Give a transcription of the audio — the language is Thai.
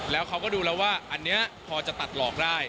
แล้วเขาก็ดูแล้วว่าอันนี้พอจะตัดหลอกได้